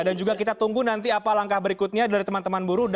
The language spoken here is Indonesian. dan juga kita tunggu nanti apa langkah berikutnya dari teman teman buru